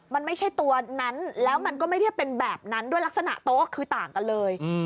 มันไม่ใช่ตัวนั้นแล้วมันก็ไม่ได้เป็นแบบนั้นด้วยลักษณะโต๊ะคือต่างกันเลย